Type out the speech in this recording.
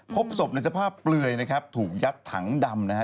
พบศพในสภาพเปลือยนะครับถูกยัดถังดำนะฮะ